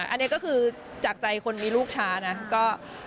อันนี้ก็คือจากใจคนมีลูกช้านะก็